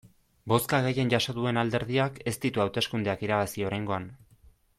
Bozka gehien jaso duen alderdiak ez ditu hauteskundeak irabazi oraingoan.